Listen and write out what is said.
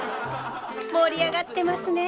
盛り上がってますね。